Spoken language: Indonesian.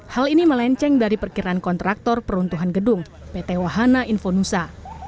hal ini melenceng dari perkiraan kontraktor peruntuhan gedung pt wahana infonusa